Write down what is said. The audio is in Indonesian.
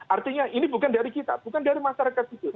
artinya ini bukan dari kita bukan dari masyarakat sipil